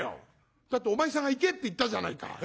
「だってお前さんが行けって言ったじゃないか。